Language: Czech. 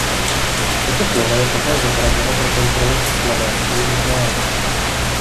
Toto slovo je poté zobrazeno pro kontrolu se slovem již známým.